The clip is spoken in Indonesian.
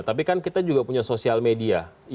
tapi kan kita juga punya sosial media